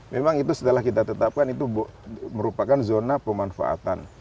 memang itu setelah kita tetapkan itu merupakan zona pemanfaatan